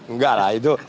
nggak lah itu